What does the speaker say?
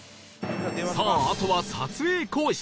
さああとは撮影交渉